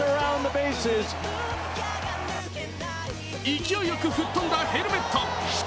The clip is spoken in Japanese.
勢いよく吹っ飛んだヘルメット。